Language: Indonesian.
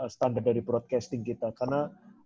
standar dari broadcasting kita karena